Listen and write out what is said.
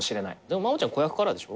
まもちゃん子役からでしょ？